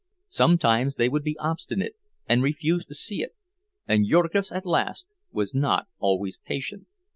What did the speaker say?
Sometimes they would be obstinate and refuse to see it, and Jurgis, alas, was not always patient!